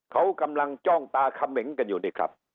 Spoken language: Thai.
เขากำลังจ้องตาเขมงกันอยู่นี่ครับ